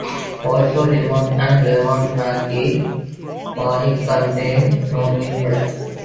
Also, Lemon and Lemon Meringue Pie contain no milk products.